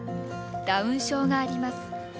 ダウン症があります。